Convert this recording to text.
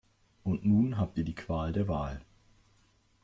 Und nun habt ihr die Qual der Wahl.